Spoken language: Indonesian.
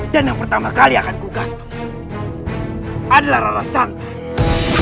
dan yang pertama kali akan kugantung adalah raja santai